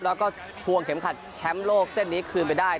แล้วก็ทวงเข็มขัดแชมป์โลกเส้นนี้คืนไปได้